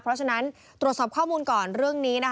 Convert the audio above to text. เพราะฉะนั้นตรวจสอบข้อมูลก่อนเรื่องนี้